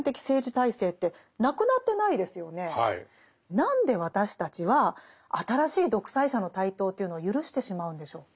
何で私たちは新しい独裁者の台頭というのを許してしまうんでしょうか。